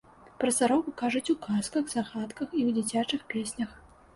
Пра сароку кажуць у казках, загадках і ў дзіцячых песнях.